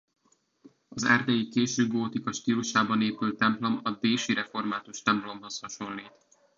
Az erdélyi késő gótika stílusában épült templom a dési református templomhoz hasonlít.